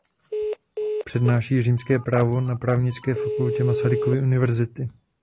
Přednáší římské právo na Právnické fakultě Masarykovy univerzity.